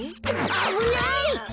あぶない！